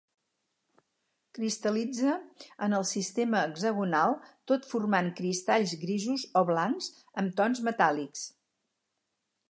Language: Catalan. Cristal·litza en el sistema hexagonal tot formant cristalls grisos o blancs amb tons metàl·lics.